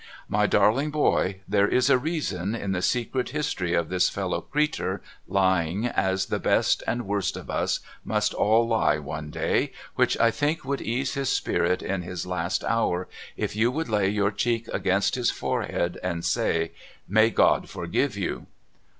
' My darling boy, there is a reason in the secret history of this fellow creetur'lying as the best and worst of us must all lie one day, which I think would ease his spirit in his last hour if you would lay your cheek against his forehead and say, " May God forgive you